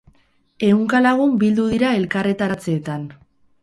Ehunka lagun bildu dira elkarretaratzeetan.